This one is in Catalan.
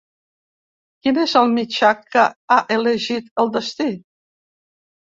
Quin és el mitjà que ha elegit el destí?